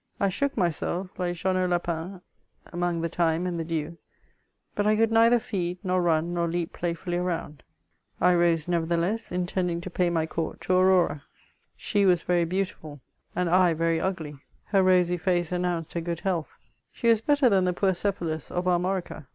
I shook myself like Jean not Lapin among the thi/me and the dew, but 1 could neither feed nor run nor ieap piaf/fuUy around, I rose, nevertheless, intending to pay my court to Aurora, She was veiy beautiful, and I very ugly ; her rosy face announced her good heallii. I^ie was bettor than the poor Cephalus of Armorica.